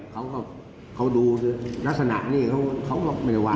เขาก็เขาดูลักษณะนี่เขาก็ไม่ได้ว่า